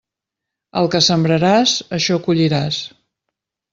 El que sembraràs, això colliràs.